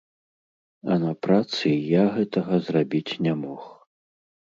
А на працы я гэта зрабіць не мог.